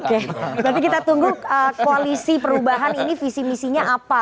berarti kita tunggu koalisi perubahan ini visi misinya apa